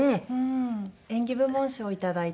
演技部門賞をいただいて。